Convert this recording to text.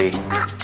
e eh ada ustazah